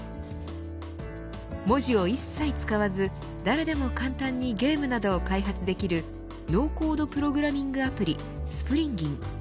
文字を一切使わず誰でも簡単にゲームなどを開発できるノーコードプログラミングアプリスプリンギン。